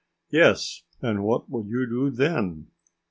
"Yes, and what will you do then?